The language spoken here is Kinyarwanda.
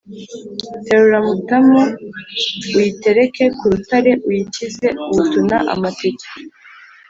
Terura Mutamu uyitereke ku rutare uyikize ubutuna.-Amateke.